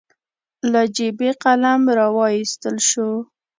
له جېبې قلم راواييستل شو.